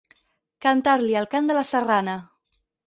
Cantar-li el cant de la Serrana.